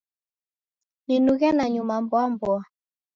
Ninughe nanyuma mboa mboa